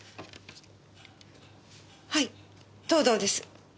はい藤堂です。